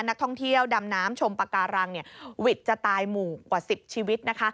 นักท่องเที่ยวดำน้ำชมปากการังวิทย์จะตายหมู่กว่า๑๐ชีวิตนะคะ